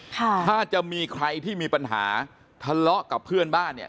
ถ้าจะมีใครที่มีปัญหาทะเลาะกับเพื่อนบ้านเนี่ย